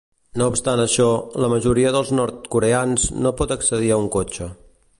No obstant això, la majoria dels nord-coreans no pot accedir a un cotxe.